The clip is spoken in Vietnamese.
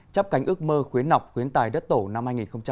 chắp cánh ước mơ khuyến học khuyến tài đất tổ năm hai nghìn hai mươi